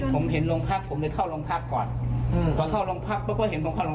ผมจะข้าวโรงพักก่อน